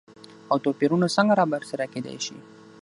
او توپېرونه څنګه رابرسيره کېداي شي؟